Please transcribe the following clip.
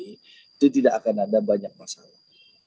itu tidak akan ada banyak masalah